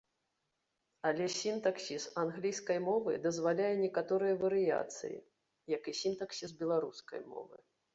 Але сінтаксіс англійскай мовы дазваляе некаторыя варыяцыі, як і сінтаксіс беларускай мовы.